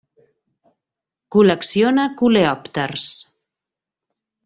Col·lecciona coleòpters.